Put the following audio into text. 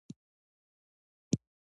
د دې ناول ژبه ساده، هنري، احساساتي، تصويري